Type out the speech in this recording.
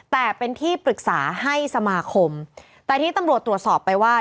แต่เป็นที่ปรึกษาให้สมาคมแต่ที่ตำรวจตรวจสอบไปว่า